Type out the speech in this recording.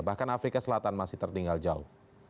bahkan afrika selatan masih tertinggal jauh